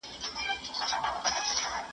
موږ پرون له ښار څخه راستون شوو.